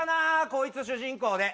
こいつ主人公で。